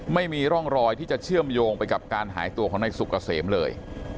ไม่มีร่องรอยที่จะเชื่อมโยงไปกับการหายตัวของนายสุกเกษมเลย